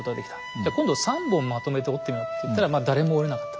じゃ今度三本まとめて折ってみろって言ったら誰も折れなかった。